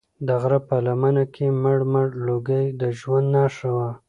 د غره په لمنه کې مړ مړ لوګی د ژوند نښه وه.